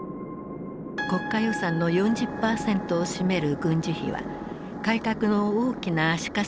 国家予算の４０％を占める軍事費は改革の大きな足かせとなっていた。